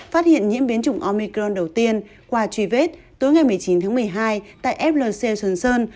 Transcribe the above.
phát hiện nhiễm biến chủng omicron đầu tiên qua truy vết tối ngày một mươi chín tháng một mươi hai tại flc trường sơn